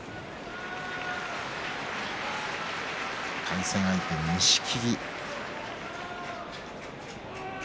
対戦相手は錦木。